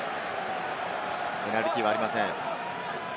ペナルティーはありません。